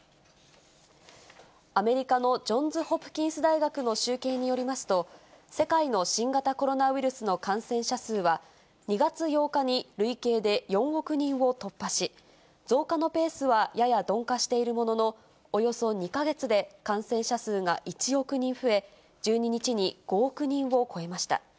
アメリカのジョンズ・ホプキンス大学の集計によりますと、世界の新型コロナウイルスの感染者数は、２月８日に累計で４億人を突破し、増加のペースはやや鈍化しているものの、およそ２か月で感染者数が１億人増え、１２日に５億人を超えました。